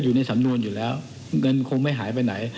อยู่ในสำนวนอยู่แล้วเงินคงไม่หายไปไหน